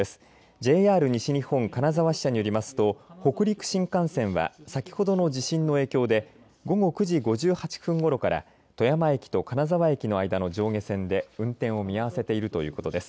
ＪＲ西日本金沢支社によりますと北陸新幹線は先ほど地震の影響で午後９時５８分ごろから富山駅と金沢駅の間の上下線で運転を見合わせているところです。